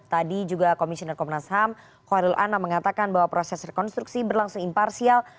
tadi juga komisioner komnas ham khairul anam mengatakan bahwa proses rekonstruksi berlangsung imparsial